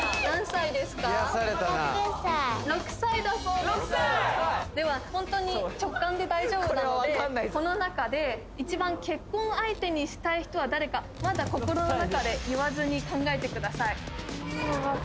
６歳ではホントに直感で大丈夫なのでこの中で１番結婚相手にしたい人は誰かまだ心の中で言わずに考えてください